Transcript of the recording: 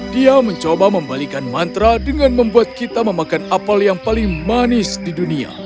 dia mencoba membalikan mantra dengan membuat kita memakan apel yang paling manis di dunia